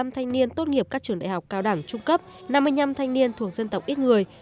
một trăm một mươi năm thanh niên tốt nghiệp các trường đại học cao đẳng trung cấp năm mươi năm thanh niên thuộc dân tộc ít người